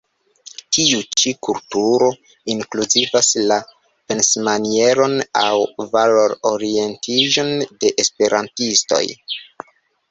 Tiu ĉi kulturo inkluzivas la pensmanieron aŭ valor-orientiĝon de esperantistoj.